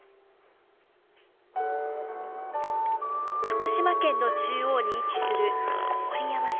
福島県の中央に位置する郡山市。